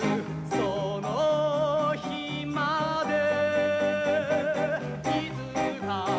「その日まで」